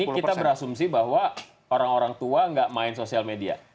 tapi kita berasumsi bahwa orang orang tua nggak main sosial media